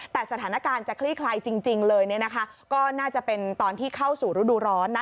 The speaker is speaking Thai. แต่สถานการณ์จะคลี่คลายจริงเลยก็น่าจะเป็นตอนที่เข้าสู่ฤดูร้อนนะ